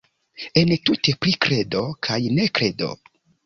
Entute pri kredo kaj nekredo.